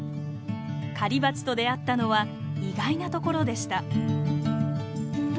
狩りバチと出会ったのは意外な所でした。